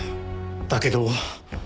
だけど。